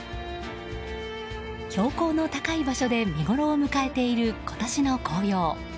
標高の高い場所で見ごろを迎えている今年の紅葉。